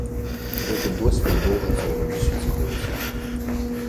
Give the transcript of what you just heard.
І гэты досвед доўжыцца ўжо дзесяцігоддзі.